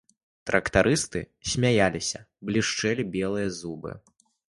Трактарысты смяяліся, блішчэлі белыя зубы.